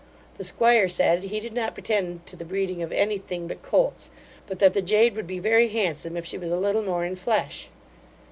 The squire said, he did not pretend to the breeding of any thing but colts; but that the jade would be very handsome, if she was a little more in flesh.